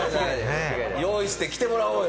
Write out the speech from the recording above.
用意して、来てもらおうよ。